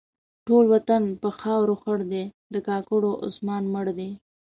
ټول وطن په خاورو خړ دی؛ د کاکړو عثمان مړ دی.